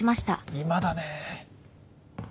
今だねぇ。